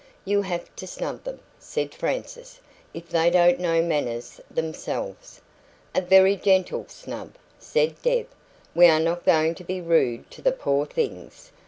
"You have to snub them," said Frances, "if they don't know manners themselves." "A very GENTLE snub," said Deb. "We are not going to be rude to the poor things.